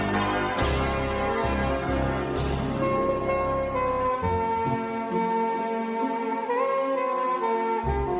tetapi kau tak lupa ku